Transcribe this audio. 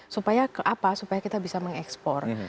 supaya apa supaya kita bisa mengekspor